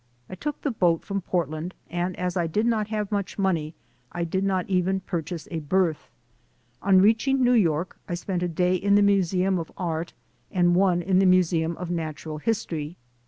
I took the boat from Portland and as I did not have much money, I did not even purchase a berth. On reaching New York, I spent a day in the Museum of Art and one in the Museum of Natural History.